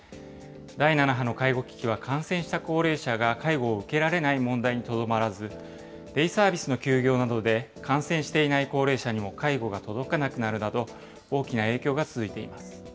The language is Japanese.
第７波の介護危機は、感染した高齢者が介護を受けられない問題にとどまらず、デイサービスの休業などで感染していない高齢者にも介護が届かなくなるなど、大きな影響が続いています。